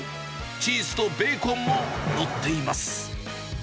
チーズとベーコンも載っています。